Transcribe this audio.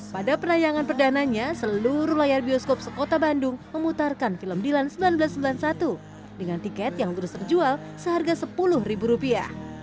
pada penayangan perdananya seluruh layar bioskop sekota bandung memutarkan film dilan seribu sembilan ratus sembilan puluh satu dengan tiket yang terus terjual seharga sepuluh ribu rupiah